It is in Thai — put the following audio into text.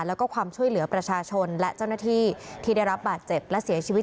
แล้วก็ความช่วยเหลือประชาชนและเจ้าหน้าที่ที่ได้รับบาดเจ็บและเสียชีวิต